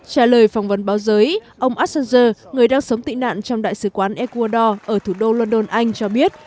trả lời phỏng vấn báo giới ông assanger người đang sống tị nạn trong đại sứ quán ecuador ở thủ đô london anh cho biết